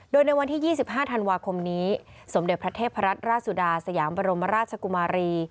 โดยในวันที่๒๕ธันวาคมนี้สมเด็จพระเทพรัตนราชสุดาสยามบรมราชกุมารี